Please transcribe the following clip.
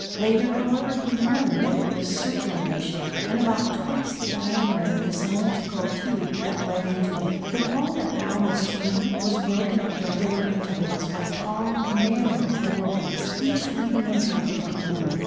Later, however, he learned that it was circular in shape, and about twice the diameter of the cylindrical tube that led into it. The wall that bound this chamber was broken at regular intervals by tall, narrow, doorways, each leading into a different room.